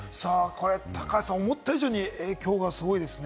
高橋さん、思った以上に影響がすごいですね。